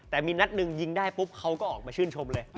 แต่มีนัดหนึ่งยิงได้ปุ๊บเขาก็ออกมาชื่นชมเลย